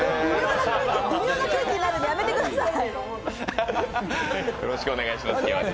微妙な空気になるのでやめてください。